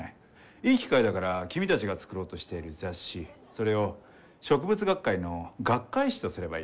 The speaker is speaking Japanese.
いい機会だから君たちが作ろうとしている雑誌それを植物学会の学会誌とすればいいだろう。